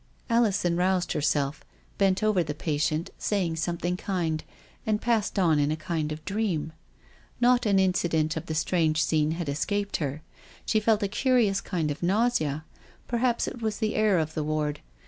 Alison roused herself, bent over the patient, saying something kind, and passed on in a r NUMBER TWENTY SEVEN. 235 kind of dream. Not an incident of the strange scene had escaped her. She felt a curious kind of nausea; perhaps it was the air of the ward.